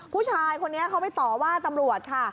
ผู้ชายคนนี้เขาไปต่อว่าตำรวจค่ะ